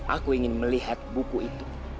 aku ingin melihat buku itu